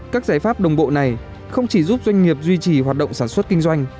các giải pháp đồng bộ này không chỉ giúp doanh nghiệp duy trì hoạt động sản xuất kinh doanh